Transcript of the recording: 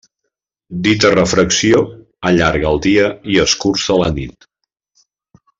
Dita refracció allarga el dia i escurça la nit.